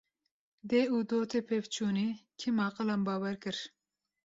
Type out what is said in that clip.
Dê û dotê pevçûnî, kêm aqilan bawer kir